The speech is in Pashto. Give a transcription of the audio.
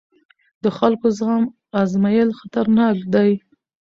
د خلکو زغم ازمېیل خطرناک دی